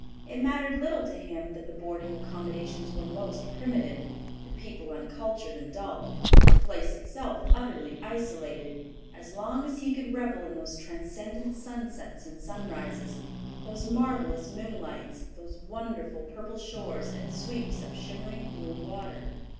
It mattered little to him that the boarding accommodations were most primitive, the people uncultured and dull, the place itself utterly isolated, as long as he could revel in those transcendent sunsets and sunrises, those marvellous moonlights, those wonderful purple shores and sweeps of shimmering blue water.